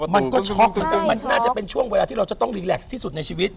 มันก็ชอคใครมันควรจะอาจเป็นช่วงที่เราต้องรีแร็กซ์ที่สุดในชีวิต